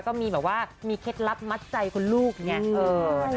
ก็มีแบบว่ามีเคล็ดลับมัดใจคุณลูกไง